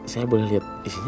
saya boleh lihat isinya ya